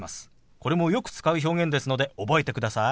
これもよく使う表現ですので覚えてください。